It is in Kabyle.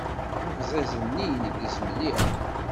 Abẓiẓ-nni ineggez mliḥ.